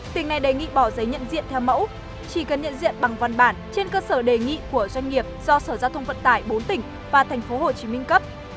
tỉnh này đề nghị bỏ giấy nhận diện theo mẫu chỉ cần nhận diện bằng văn bản trên cơ sở đề nghị của doanh nghiệp do sở giao thông vận tải bốn tỉnh và tp hcm cấp